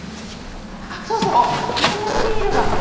そうそうこのシールが。